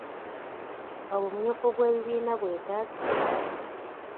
Obumyufu bw'ebibiina bwetaagisa?